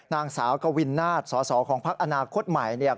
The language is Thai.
นางสาวกวินนาทสอสอของภักดิ์อนาคตใหม่